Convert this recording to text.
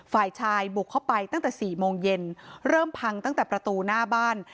ฝ่ายชายบุกเข้าไปตั้งแต่๔โมงเย็นเริ่มพังตั้งแต่ประตูหน้าบ้าน